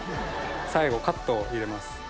最後カットを入れます。